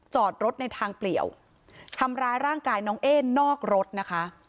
จอดรถในทางเปลี่ยวทำร้ายร่างกายน้องเอ๊นอกรถนะคะ